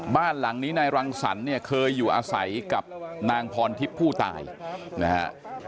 บ้านหลังนี้นายรังสรรคเนี่ยเคยอยู่อาศัยกับนางพรทิพย์ผู้ตายนะฮะ